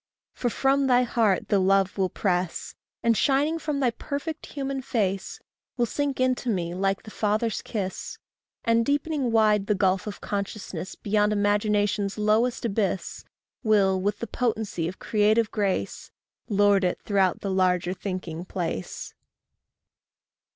for from thy heart the love will press, And shining from thy perfect human face, Will sink into me like the father's kiss; And deepening wide the gulf of consciousness Beyond imagination's lowest abyss, Will, with the potency of creative grace, Lord it throughout the larger thinking place.